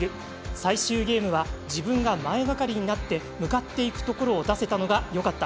最終ゲームは自分が前がかりになって向かっていくところを出せたのがよかった。